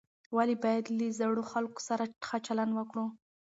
ولې باید له زړو خلکو سره ښه چلند وکړو؟